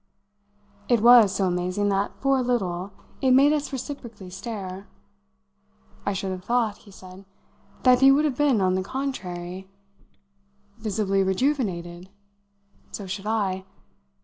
It was so amazing that, for a little, it made us reciprocally stare. "I should have thought," he said, "that he would have been on the contrary " "Visibly rejuvenated? So should I.